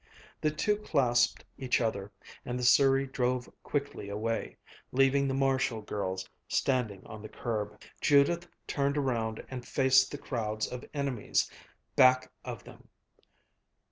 The two clasped each other, and the surrey drove quickly away, leaving the Marshall girls standing on the curb. Judith turned around and faced the crowds of enemies back of them.